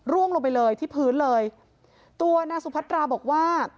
ลงไปเลยที่พื้นเลยตัวนางสุพัตราบอกว่า